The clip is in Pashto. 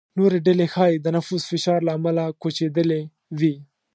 نورې ډلې ښايي د نفوس فشار له امله کوچېدلې وي.